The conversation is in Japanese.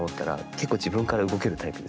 結構自分から動けるタイ